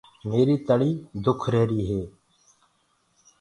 ميريٚ تݪيٚ سُور ڪر رهيري هي۔